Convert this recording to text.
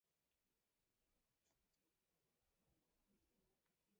— Кунам гына тый лыпланет гын? — йолташ ӱдыржым ончыштшыла, Фая ӧрын каласыш.